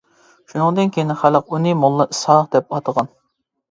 شۇنىڭدىن كېيىن خەلق ئۇنى «موللا ئىسھاق» دەپ ئاتىغان.